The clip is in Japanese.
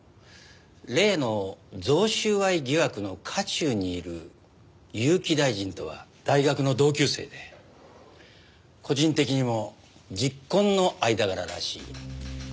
例の贈収賄疑惑の渦中にいる結城大臣とは大学の同級生で個人的にも昵懇の間柄らしいよ。